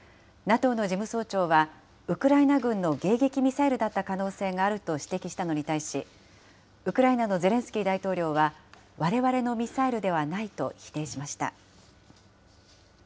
ＮＡＴＯの事務総長は、ウクライナ軍の迎撃ミサイルだった可能性があると指摘したのに対し、ウクライナのゼレンスキー大統領は、われわれのミサイルではないと否定しました。